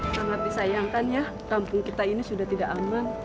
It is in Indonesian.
sangat disayangkan ya kampung kita ini sudah tidak aman